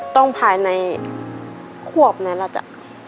ต้องภายในควบนั้นล่ะจ๊ะ